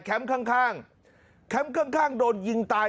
แคมป์ข้างโดนยิงตาย